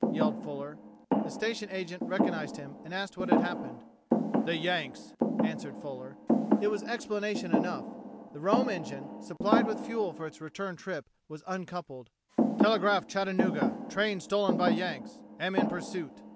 yelled Fuller. The station agent recognized him, and asked what had happened. "The Yanks!" answered Fuller. It was explanation enough. The Rome engine, supplied with fuel for its return trip, was uncoupled. "Telegraph Chattanooga train stolen by Yanks. Am in pursuit."